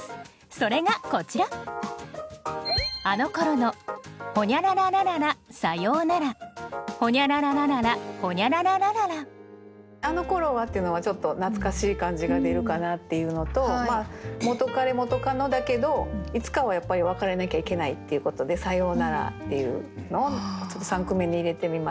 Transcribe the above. それがこちら「あのころは」っていうのはちょっと懐かしい感じが出るかなっていうのと元カレ・元カノだけどいつかはやっぱり別れなきゃいけないっていうことで「さようなら」っていうのをちょっと三句目に入れてみました。